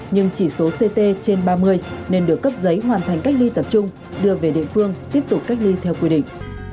nhưng chỉ số ct trên ba mươi nên được cấp giấy hoàn thành cách ly tập trung đưa về địa phương tiếp tục cách ly theo quy định